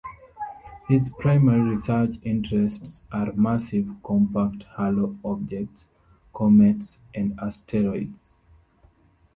His primary research interests are massive compact halo objects, comets and asteroids.